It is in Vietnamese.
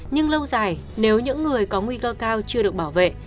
nhưng lâu dài nếu những người có nguy cơ cao chưa được bảo vệ